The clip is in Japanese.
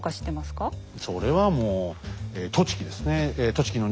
それはもう栃木ですね。